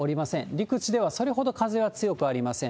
陸地ではそれほど風は強くありません。